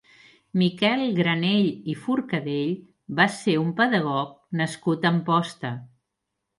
Miquel Granell i Forcadell va ser un pedagog nascut a Amposta.